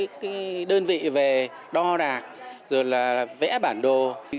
có một cái tổ cái đơn vị về đo đạc rồi là vẽ bản đồ